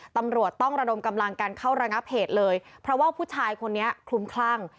ตำรวจต้องระดมกำลังกันเข้าระงับเหตุเลยเพราะว่าผู้ชายคนนี้คลุมคลั่ง